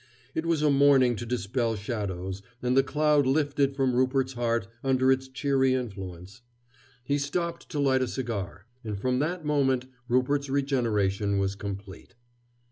It was a morning to dispel shadows, and the cloud lifted from Rupert's heart under its cheery influence. He stopped to light a cigar, and from that moment Rupert's regeneration was complete.